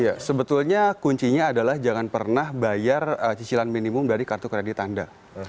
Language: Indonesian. ya sebetulnya kuncinya adalah jangan pernah bayar cicilan minimum dari kartu kredit anda